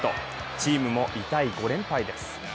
チームも痛い５連敗です。